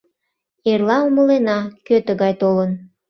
— Эрла умылена, кӧ тыгай толын...